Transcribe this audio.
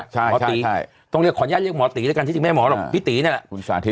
ใช่ต้องขออนุญาตเรียกหมอตรีด้วยกันที่จริงไม่ให้หมอหรอกพี่ตรีนั่นแหละ